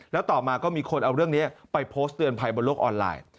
แล้วต่อมาก็มีคนเอาเรื่องนี้ไปโพสต์เตือนภัยบนโลกออนไลน์